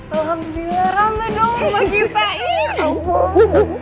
alhamdulillah ramadhanum bagi pai